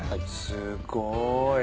すっごい。